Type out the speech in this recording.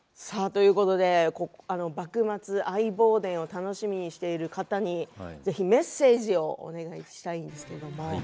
「幕末相棒伝」を楽しみにしている方にぜひメッセージをお願いしたいんですけれども。